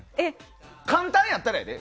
簡単やったらやで。